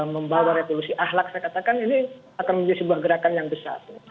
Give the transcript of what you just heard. membawa revolusi ahlak saya katakan ini akan menjadi sebuah gerakan yang besar